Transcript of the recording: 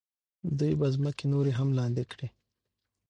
دوی به ځمکې نورې هم لاندې کړي.